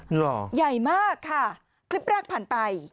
เหรอใหญ่มากค่ะคลิปแรกผ่านไป